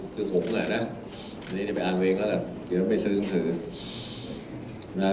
คือผมเนี่ยนะนี้ได้ไปอ่านไปเองแล้วก็ละก็เดี๋ยวไปซื้อให้เถิง